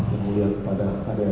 dan mulia kepada adik adik saya